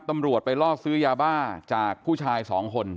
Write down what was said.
ตำรวจไปล่อซื้อยาบ้าจากผู้ชายสองคน